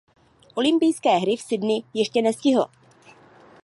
Olympijské hry v Sydney ještě nestihl.